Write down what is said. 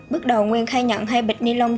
bước đầu nguyên khai nhận hai bịch ni lông